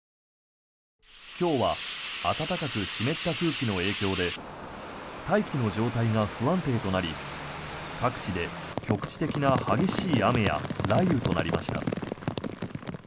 今日は暖かく湿った空気の影響で大気の状態が不安定となり各地で局地的な激しい雨や雷雨となりました。